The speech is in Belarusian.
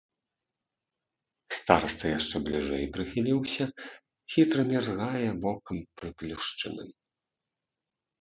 Стараста яшчэ бліжэй прыхіліўся, хітра міргае вокам прыплюшчаным.